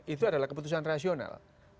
itu adalah keputusan rasional